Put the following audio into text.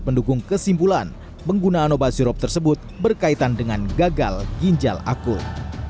mendukung kesimpulan penggunaan obat sirup tersebut berkaitan dengan gagal ginjal akut